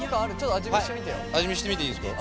味見してみていいですか？